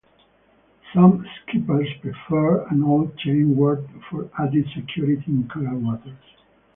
Some skippers prefer an all chain warp for added security in coral waters.